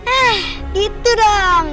eh gitu dong